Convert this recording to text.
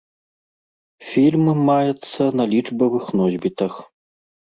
Фільм маецца на лічбавых носьбітах.